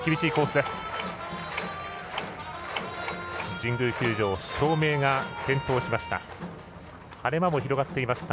神宮球場照明が点灯しました。